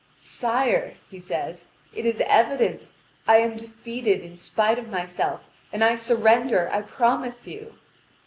"Sire," he says, "it is evident. I am defeated in spite of myself, and I surrender, I promise you."